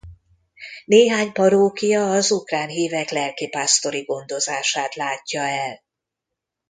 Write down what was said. Néhány parókia az ukrán hívek lelkipásztori gondozását látja el.